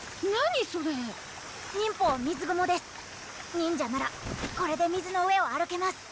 忍者ならこれで水の上を歩けます。